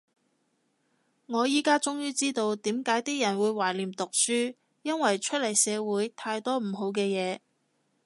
我依家終於知道點解啲人會懷念讀書，因為出嚟社會太多唔好嘅嘢